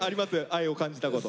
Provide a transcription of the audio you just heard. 愛を感じたこと。